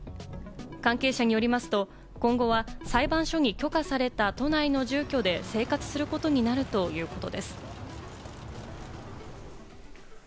関係者によりますと、今後は裁判所に許可された都内の住居で生活することになるということです。